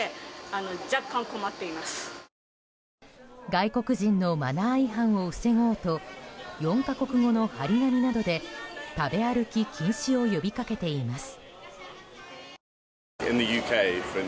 外国人のマナー違反を防ごうと４か国語の貼り紙などで食べ歩き禁止を呼び掛けています。